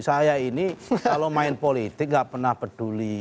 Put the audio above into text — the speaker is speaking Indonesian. saya ini kalau main politik nggak pernah peduli